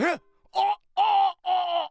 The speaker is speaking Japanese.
あああ。